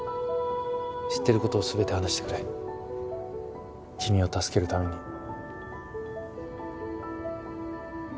知ってることを全て話してくれ君を助けるために。